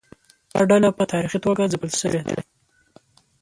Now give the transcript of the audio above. دا ډله په تاریخي توګه ځپل شوې ده.